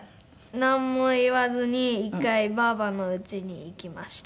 なんも言わずに１回ばあばのうちに行きました。